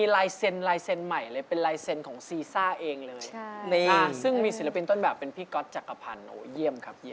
หลังเต้นให้ดูอีกทีสิที่เขย่ากับใจ